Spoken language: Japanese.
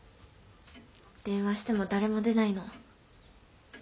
電話しても誰も出ないの。